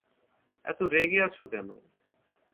এত রেগে আছো কেন?